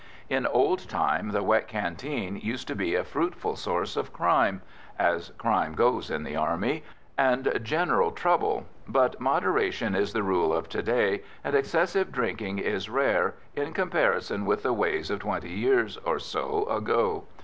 In old time the wet canteen used to be a fruitful source of crime as crime goes in the Army and general trouble, but moderation is the rule of to day, and excessive drinking is rare in comparison with the ways of twenty years or so ago.